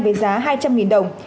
với giá hai trăm linh đồng